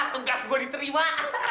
tugas gua diterima